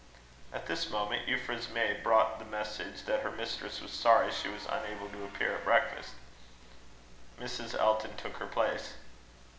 At this moment, Euphra's maid brought the message, that her mistress was sorry she was unable to appear at breakfast. Mrs. Elton took her place.